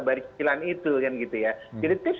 bayar cicilan itu kan gitu ya jadi tips